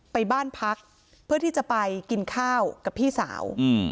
ไปบ้านพักเพื่อที่จะไปกินข้าวกับพี่สาว